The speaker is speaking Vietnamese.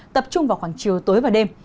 tập trung vào khoảng chiều tối và đêm